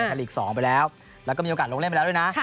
ไทยลีก๒ไปแล้วแล้วก็มีโอกาสลงเล่นไปแล้วด้วยนะ